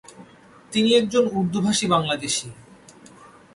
তিনি একজন উর্দুভাষী বাংলাদেশি।